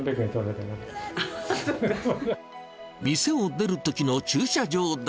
店を出るときの駐車場代。